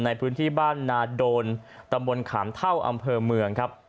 ในพื้นที่บ้านนาโดนตำบลขามเท่าอำเภอเมืองครับ